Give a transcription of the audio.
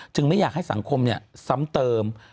จึงไม่อยากให้สังคมเนี่ยซ้ำเติม